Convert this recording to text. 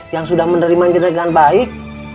yang sudah menerima jenagaan baik